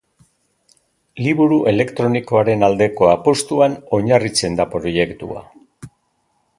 Liburu elektronikoaren aldeko apustuan oinarritzen da proiektua.